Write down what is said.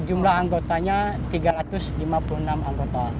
jumlah anggotanya tiga ratus lima puluh enam anggota